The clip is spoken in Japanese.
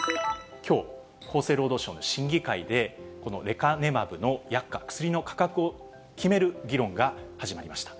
きょう、厚生労働省の審議会で、このレカネマブの薬価、薬の価格を決める議論が始まりました。